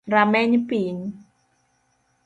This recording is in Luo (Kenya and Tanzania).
Rameny piny